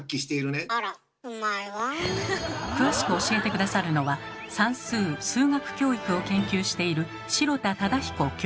詳しく教えて下さるのは算数・数学教育を研究している